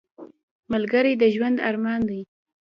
ملګری د ژوند ارمان دی